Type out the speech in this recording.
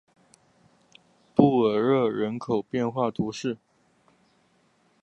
布尔热人口变化图示